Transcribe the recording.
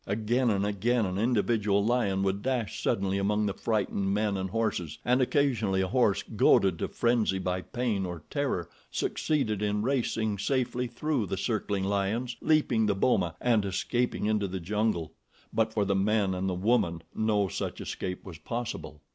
Again and again an individual lion would dash suddenly among the frightened men and horses, and occasionally a horse, goaded to frenzy by pain or terror, succeeded in racing safely through the circling lions, leaping the boma, and escaping into the jungle; but for the men and the woman no such escape was possible.